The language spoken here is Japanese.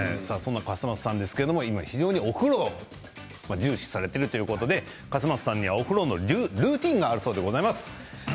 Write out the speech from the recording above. そんな笠松さんですが今、お風呂を重視されているということでお風呂のルーティンがあるそうです。